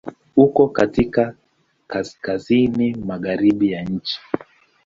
Uko katika Kaskazini magharibi ya nchi.